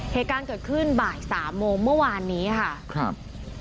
เหตุการณ์เกิดขึ้นบ่ายสามโมงเมื่อวานนี้ค่ะครับ